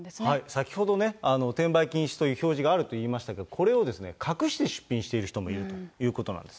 先ほどね、転売禁止という表示があるって言いましたけれども、これをですね、隠して出品している人もいるということなんです。